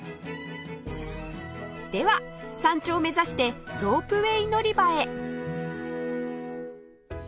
では山頂目指してロープウェイ乗り場へ